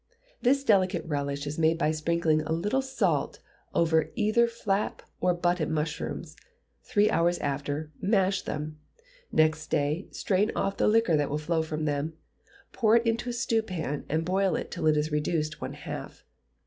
This delicate relish is made by sprinkling a little salt over either flap or button mushrooms: three hours after, mash them, next day, strain off the liquor that will flow from them, put it into a stewpan, and boil it till it is reduced one half.